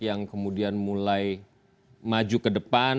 yang kemudian mulai maju ke depan